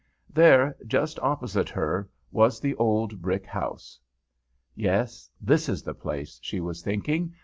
There, just opposite her, was the old red brick house. "Yes, that is the place," she was thinking.